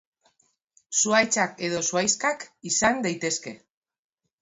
Zuhaitzak edo zuhaixkak izan daitezke.